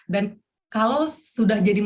dan kalau sudah